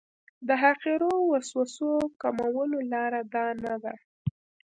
د حقیرو وسوسو کمولو لاره دا نه ده.